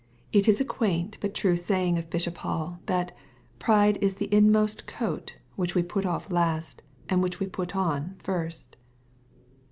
It is a quamt but true st^yin^ of Bishop Hall, that " pride is the inmost coat, which wa put off last, and which we put on first."